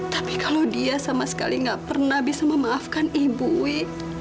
tapi kalau dia sama sekali nggak pernah bisa memaafkan ibu wi